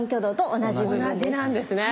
同じなんですね。